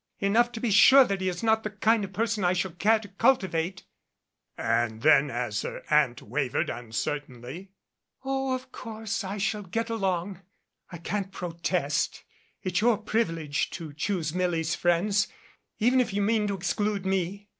"Oh er enough to be sure that he is not the kind of person I shall care to cultivate." And then as her Aunt wavered uncertainly. "Oh, of course I shall get along. I can't protest. It's your priv ilege to choose Milly's friends, even if you mean to exclude me.